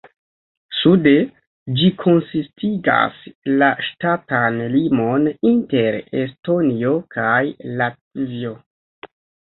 Sude ĝi konsistigas la ŝtatan limon inter Estonio kaj Latvio.